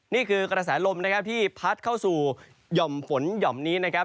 นี่คือกระแสลมนะครับที่พัดเข้าสู่หย่อมฝนหย่อมนี้นะครับ